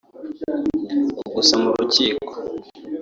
Gusa mu rukiko